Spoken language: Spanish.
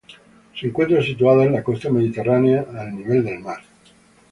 Se encuentra situada en la costa mediterránea, al nivel del mar.